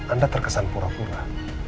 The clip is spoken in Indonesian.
anda terkesan pura pura